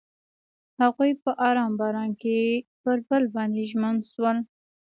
هغوی په آرام باران کې پر بل باندې ژمن شول.